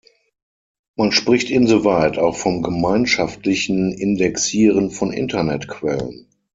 Man spricht insoweit auch vom gemeinschaftlichen Indexieren von Internet-Quellen.